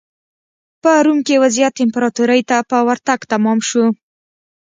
په روم کې وضعیت امپراتورۍ ته په ورتګ تمام شو.